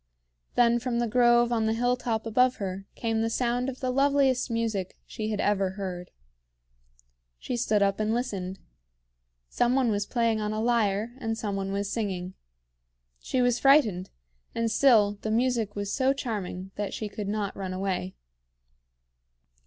Then from the grove on the hilltop above her, came the sound of the loveliest music she had ever heard. She stood up and listened. Some one was playing on a lyre, and some one was singing. She was frightened; and still the music was so charming that she could not run away.